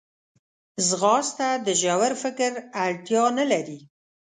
ځغاسته د ژور فکر اړتیا نه لري